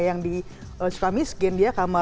yang di suka miskin